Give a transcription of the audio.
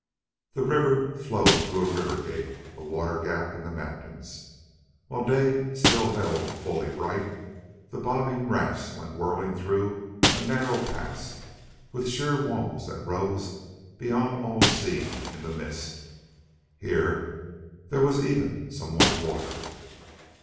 The river flowed through a river gate, a water gap in the mountains. While day still held fully bright, the bobbing rafts went whirling through a narrow pass with sheer walls that rose beyond all seeing in the mist. Here there was even some white water.